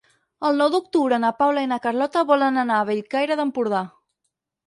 El nou d'octubre na Paula i na Carlota volen anar a Bellcaire d'Empordà.